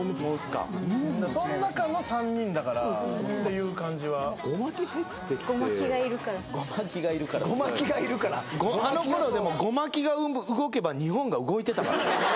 かそん中の３人だからっていう感じはゴマキ入ってきてゴマキがいるからゴマキがいるからあの頃でもゴマキが動けば日本が動いてたからね